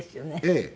ええ。